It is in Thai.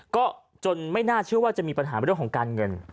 ก็จนไม่น่าเชื่อว่าจะมีปัญหาเรื่องของการเงิน